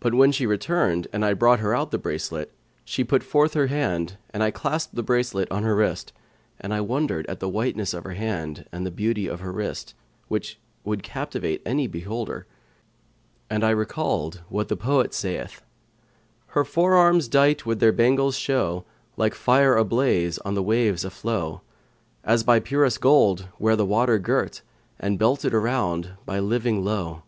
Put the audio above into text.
But when she returned and I brought her out the bracelet, she put forth her hand and I clasped the bracelet on her wrist; and I wondered at the whiteness of her hand and the beauty of her wrist, which would captivate any beholder; and I recalled what the poet saith, Her fore arms, dight with their bangles, show * Like fire ablaze on the waves a flow; As by purest gold were the water girt, * And belted around by a living lowe.'